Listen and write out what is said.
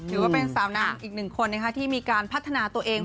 ถือว่าเป็นสาวน้ำอีกหนึ่งคนที่มีการพัฒนาตัวเอง